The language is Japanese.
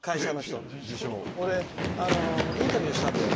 俺、インタビューしたんだよ。